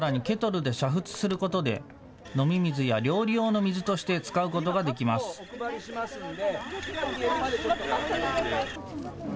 ケトルで煮沸することで飲み水や料理用の水として使うことができます。